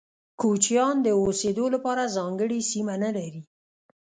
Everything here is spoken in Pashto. کوچيان د اوسيدو لپاره ځانګړي سیمه نلري.